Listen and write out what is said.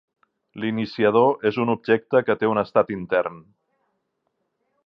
L'iniciador és un objecte que té un estat intern.